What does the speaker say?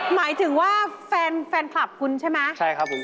หมายถึงว่าแฟนแฟนคลับคุณใช่ไหมใช่ครับผม